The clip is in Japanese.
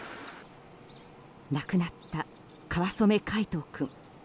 亡くなった川染凱仁君。